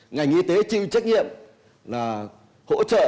ngành y tế chịu trách nhiệm là hỗ trợ